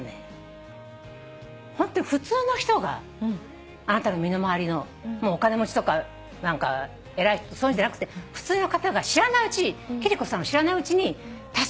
ホントに普通の人があなたの身の回りのお金持ちとか偉い人そういうのじゃなくて普通の方が貴理子さんの知らないうちに助けてくれます。